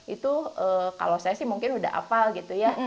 itu kalau saya sih mungkin udah hafal gitu ya